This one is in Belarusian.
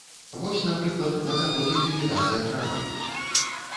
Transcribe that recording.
Вось, напрыклад, на заводзе ліквідацыя прарыву.